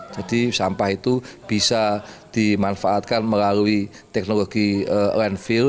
jadi sampah itu bisa dimanfaatkan melalui teknologi landfill